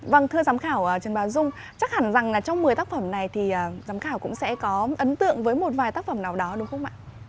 vâng thưa giám khảo trần báo dung chắc hẳn rằng là trong một mươi tác phẩm này thì giám khảo cũng sẽ có ấn tượng với một vài tác phẩm nào đó đúng không ạ